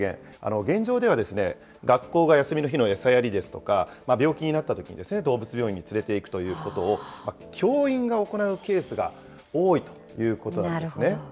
現状では学校が休みの日の餌やりですとか、病気になったときに動物病院に連れていくということを、教員が行うケースが多いということなんですね。